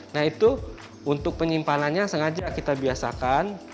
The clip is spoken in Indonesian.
nah itu untuk penyimpanannya sengaja kita biasakan